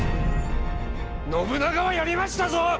信長はやりましたぞ！